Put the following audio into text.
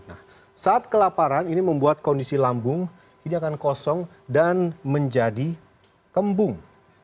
nah saat kelaparan ini membuat kondisi lambung ini akan kosong dan menjadi kembung